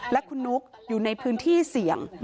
และคุณนุ๊กอยู่ในพื้นที่เสี่ยง